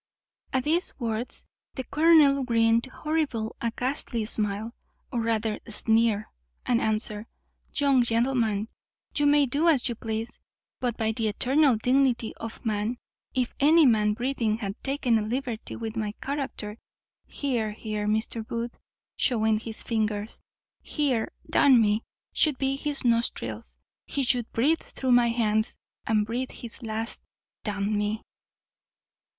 At these words the colonel grinned horribly a ghastly smile, or rather sneer, and answered, "Young gentleman, you may do as you please; but, by the eternal dignity of man, if any man breathing had taken a liberty with my character Here, here Mr. Booth (shewing his fingers), here d n me, should be his nostrils; he should breathe through my hands, and breathe his last, d n me."